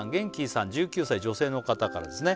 さん１９歳女性の方からですね